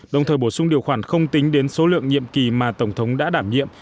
đồng thời bổ sung điều khoản không tính đến số lượng nhiệm kỳ mà tổng thống đã đảm nhiệm